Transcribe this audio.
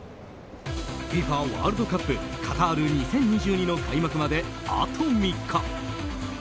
ＦＩＦＡワールドカップカタール２０２２の開幕まであと３日。